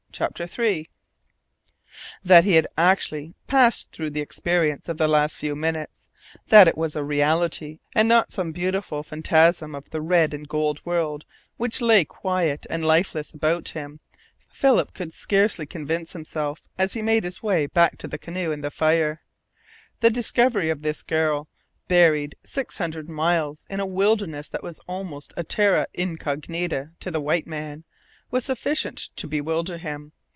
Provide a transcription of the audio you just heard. CHAPTER THREE That he had actually passed through the experience of the last few minutes, that it was a reality and not some beautiful phantasm of the red and gold world which again lay quiet and lifeless about him, Philip could scarcely convince himself as he made his way back to the canoe and the fire. The discovery of this girl, buried six hundred miles in a wilderness that was almost a terra incognita to the white man, was sufficient to bewilder him.